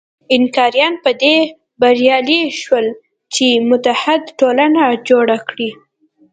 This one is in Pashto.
اینکاریان په دې بریالي شول چې متحد ټولنه جوړه کړي.